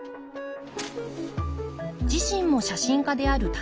自身も写真家である棚井さん。